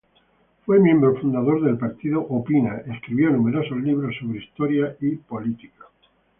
Fue miembro fundador del partido Opina, escribió numerosos libros sobre historia y política.